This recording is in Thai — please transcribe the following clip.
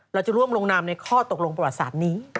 เราจะร่วมลงนามในข้อตกลงประวัติศาสตร์นี้